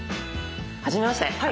はじめまして。